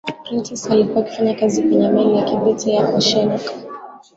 prentice alikuwa akifanya kazi kwenye meli ya kivita ya oceanic